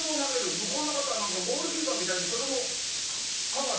向こうの方はなんかゴールキーパーみたいにそれもカバーしてたでしょ？